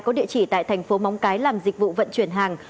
có địa chỉ tại thành phố móng cái làm dịch vụ vận chuyển hàng